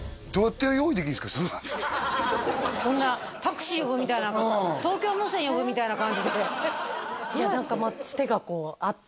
はいそんなタクシー呼ぶみたいな東京無線呼ぶみたいな感じでいや何かまあつてがこうあったんですよ